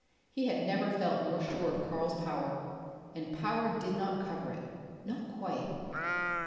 He had never felt more sure of Karl's power; and power did not cover it not quite.